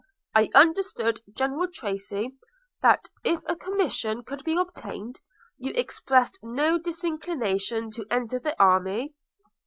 I understood General Tracy, that if a commission could be obtained, you expressed no disinclination to enter the army?'